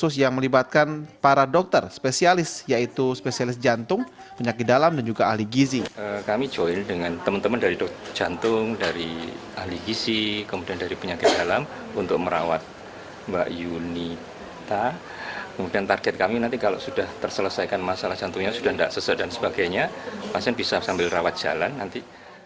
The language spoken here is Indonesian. tim khusus yang melibatkan para dokter spesialis yaitu spesialis jantung penyakit dalam dan juga ahli gizi